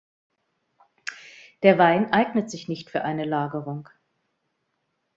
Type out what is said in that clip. Der Wein eignet sich nicht für eine Lagerung.